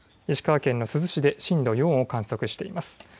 石川県の珠洲市で震度４を観測しています。